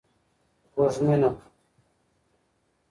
وږمینه